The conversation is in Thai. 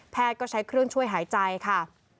ก็ใช้เครื่องช่วยหายใจค่ะ